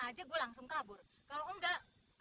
aku pun mah